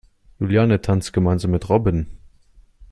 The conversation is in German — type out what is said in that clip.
Juliane tanzt gemeinsam mit Robin.